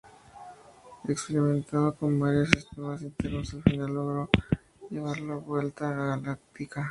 Experimentando con varios sistemas internos, al final logró llevarlo de vuelta a "Galactica".